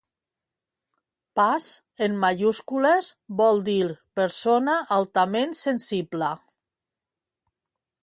Pas en majúscules vol dir persona altament sensible